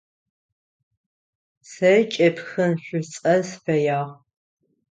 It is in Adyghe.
Сэ кӏэпхын шӏуцӏэ сыфэягъ.